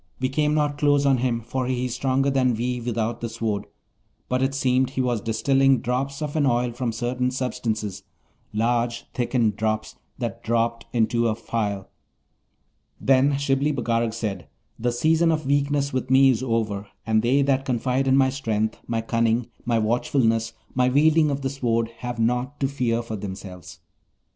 We came not close on him, for he is stronger than we without the Sword, but it seemed he was distilling drops of an oil from certain substances, large thickened drops that dropped into a phial.' Then Shibli Bagarag said, 'The season of weakness with me is over, and they that confide in my strength, my cunning, my watchfulness, my wielding of the Sword, have nought to fear for themselves.